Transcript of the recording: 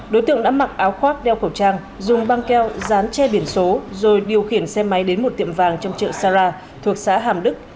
đối tượng đã mặc áo khoác đeo khẩu trang dùng băng keo dán che biển số rồi điều khiển xe máy đến một tiệm vàng trong chợ sarah thuộc xã hàm đức